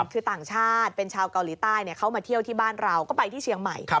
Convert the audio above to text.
คือต่างชาติเป็นชาวเกาหลีใต้เขามาเที่ยวที่บ้านเราก็ไปที่เชียงใหม่